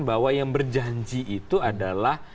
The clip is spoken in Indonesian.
bahwa yang berjanji itu adalah